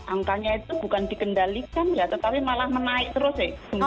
angkanya itu bukan dikendalikan ya tetapi malah menaik terus sih